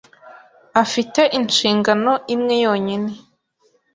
afite inshingano imwe yonyine